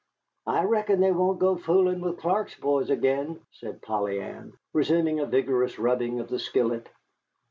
"I reckon they won't go foolin' with Clark's boys again," said Polly Ann, resuming a vigorous rubbing of the skillet.